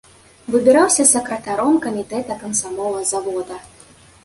Выбіраўся сакратаром камітэта камсамола завода.